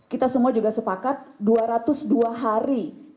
kita semua juga sepakat dua ratus dua hari